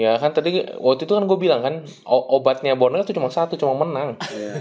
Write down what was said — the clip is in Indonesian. ya kan tadi waktu itu kan gue bilang kan obatnya bornel itu cuma satu cuma menang